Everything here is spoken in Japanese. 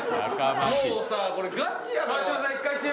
もうさこれガチやから